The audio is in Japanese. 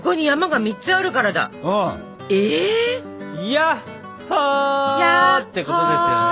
「ヤッホ！」ってことですよね。